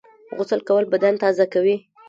غسل کول بدن تازه کوي